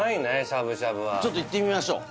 しゃぶしゃぶはちょっといってみましょう